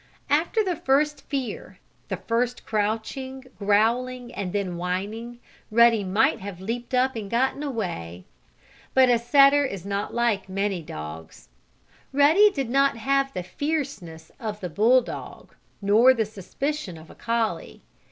After the first fear, the first crouching, growling and then whining Ruddy might have leaped up and gotten away. But a setter is not like many dogs. Ruddy did not have the fierceness of the bulldog, nor the suspicion of a collie.